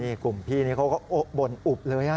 นี้กลุ่มพี่บ่นอุบเลย